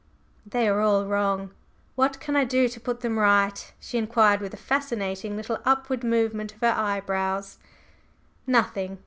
"They are all wrong! What can I do to put them right?" she inquired with a fascinating little upward movement of her eyebrows. "Nothing!